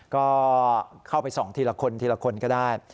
ก็เข้าไปส่องทีละคนทีละคนก็ได้